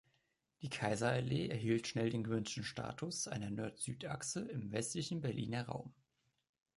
Die "Kaiserallee" erhielt schnell den gewünschten Status einer Nord-Süd-Achse im westlichen Berliner Raum.